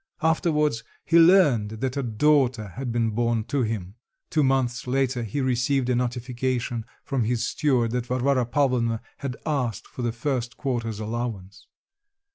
Afterwards he learned that a daughter had been born to him; two months later he received a notification from his steward that Varvara Pavlovna had asked for the first quarter's allowance.